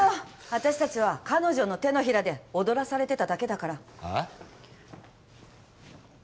私たちは彼女の手のひらで踊らされてただけだからええ？